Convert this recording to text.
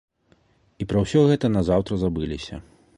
І пра ўсё гэта назаўтра забыліся.